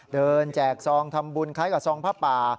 เดินแจกทรองทำบุญคล้ายกับทรองพระป่า